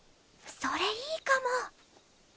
それいいかも。